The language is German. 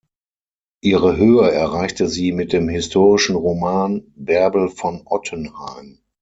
Ihre Höhe erreichte sie mit dem historischen Roman "Bärbel von Ottenheim".